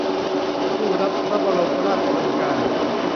ผู้รับพระบรมราชโองการ